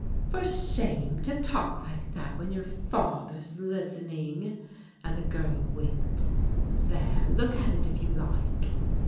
" For shame to talk like that when your father's lis tening," and the girl winked. " There, look at it if you like!"